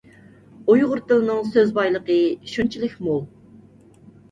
ئۇيغۇر تىلىنىڭ سۆز بايلىقى شۇنچىلىك مول!